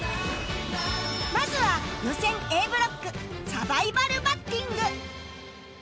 まずは予選 Ａ ブロックサバイバルバッティング